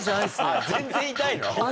全然痛いの？